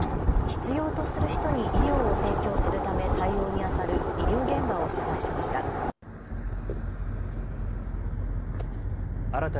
必要とする人に医療を提供するため対応にあたる医療現場を取材しました。